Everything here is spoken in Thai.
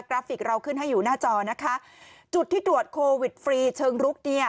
ราฟิกเราขึ้นให้อยู่หน้าจอนะคะจุดที่ตรวจโควิดฟรีเชิงลุกเนี่ย